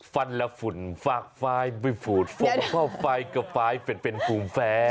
ฟันละฝุ่นฟากฟ้ายไม่ฝุ่นฟ้มฟ้าวไฟก็ฟ้ายเป็นฟูมแฟร์